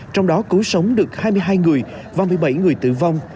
trong đó cứu sống được hai mươi hai người và một mươi bảy người tử vong